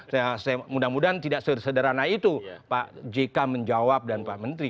saya mudah mudahan tidak sederhana itu pak jk menjawab dan pak menteri